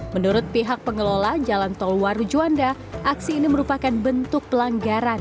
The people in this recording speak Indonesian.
menurut pihak pengelola jalan tol waru juanda aksi ini merupakan bentuk pelanggaran